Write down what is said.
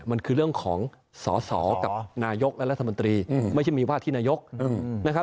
มันคือเรื่องของสอสอกับนายกและรัฐมนตรีไม่ใช่มีว่าที่นายกนะครับ